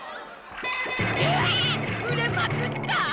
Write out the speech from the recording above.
えっ売れまくった！？